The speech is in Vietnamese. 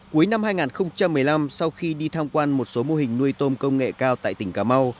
cuối năm hai nghìn một mươi năm sau khi đi tham quan một số mô hình nuôi tôm công nghệ cao tại tỉnh cà mau